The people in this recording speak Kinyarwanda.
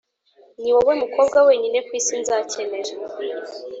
niwowe mukobwa wenyine kwisi nzakenera.